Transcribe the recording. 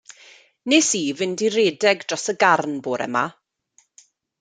Nes i fynd i redeg dros y garn bore 'ma.